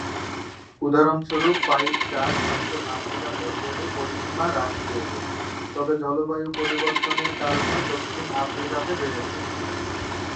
উদাহরণস্বরূপ পাইক কাক উত্তর আফ্রিকাতে এর পরিসীমা হ্রাস পেয়েছে, তবে জলবায়ু পরিবর্তনের কারণে দক্ষিণ আফ্রিকাতে বেড়েছে।